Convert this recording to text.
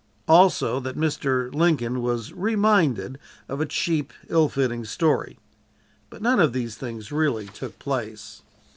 Also that Mr. Lincoln was "reminded" of a cheap, ill fitting story but none of these things really took place.